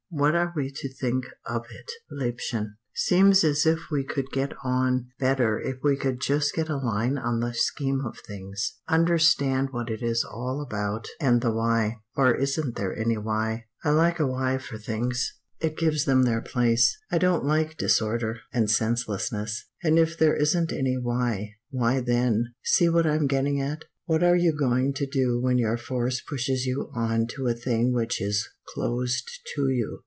What are we to think of it, liebchen? Seems as if we could get on better if we could just get a line on the scheme of things, understand what it is all about, and the why. Or isn't there any why? I like a why for things. It gives them their place. I don't like disorder, and senselessness, and if there isn't any why why then See what I'm getting at? "What are you going to do when your force pushes you on to a thing which is closed to you?